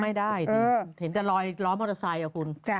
ไม่ได้แต่ล้อมอเตอร์ไซค์อ่ะคุณ